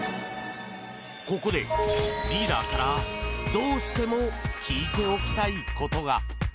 ここでリーダーからどうしても聞いておきたいことが。